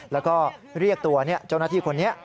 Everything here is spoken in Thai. แล้วก็เรียกตัวเจ้าหน้าที่คนนี้